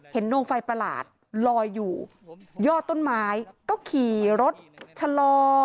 ดวงไฟประหลาดลอยอยู่ยอดต้นไม้ก็ขี่รถชะลอ